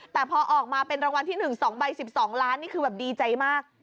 แต่พอออกมาเป็นรางวัลที่๑๒ใบ๑๒ล้านนี่คือแบบดีใจมาก